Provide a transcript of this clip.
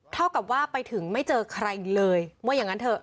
เท่ากับว่าไปถึงไม่เจอใครเลยว่าอย่างนั้นเถอะ